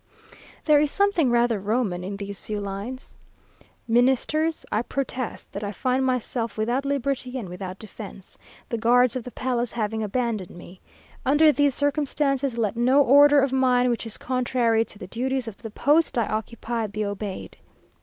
There is something rather Roman in these few lines: "Ministers, I protest that I find myself without liberty and without defence, the guards of the palace having abandoned me. Under these circumstances, let no order of mine, which is contrary to the duties of the post I occupy, be obeyed.